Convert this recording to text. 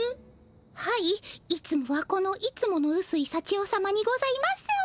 はいいつもはこのいつものうすいさちよ様にございます。